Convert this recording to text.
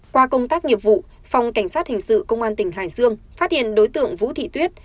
qua công tác nghiệp vụ phòng cảnh sát hình sự công an tỉnh hải dương phát hiện đối tượng vũ thị tuyết